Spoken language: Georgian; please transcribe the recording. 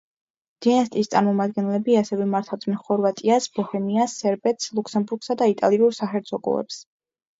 დინასტიის წარმომადგენლები ასევე მართავდნენ ხორვატიას, ბოჰემიას, სერბეთს, ლუქსემბურგსა და იტალიურ საჰერცოგოებს.